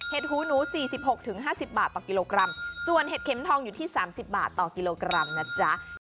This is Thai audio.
เห็ดหูหนูสี่สิบหกถึงห้าสิบบาทต่อกิโลกรัมส่วนเห็ดเข็มทองอยู่ที่สามสิบบาทต่อกิโลกรัมนะจ๊ะ